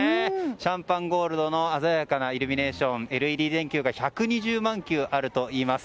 シャンパンゴールドの鮮やかなイルミネーションＬＥＤ電球が１２０万球あるといいます。